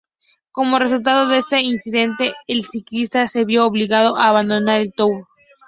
Como resultado de este incidente el ciclista se vio obligado a abandonar el Tour.